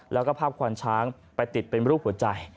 แล้วก็ภาพควานช้างไปติดเป็นรูปหัวใจ